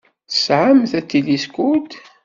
Tesɛamt atiliskud?